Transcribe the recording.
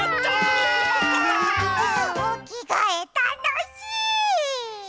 おきがえたのしい！